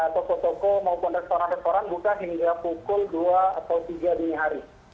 toko toko maupun restoran restoran buka hingga pukul dua atau tiga dini hari